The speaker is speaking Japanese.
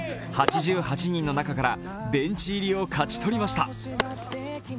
８８人の中からベンチ入りを勝ち取りました。